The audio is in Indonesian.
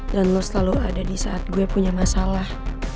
dan lo selalu ada disaat gue punya masalah